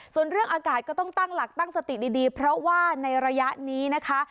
ส่วนเรื่องอากาศก็ต้องตั้งหลักตั้งสติดีเพราะว่าในระยะนี้นะคะ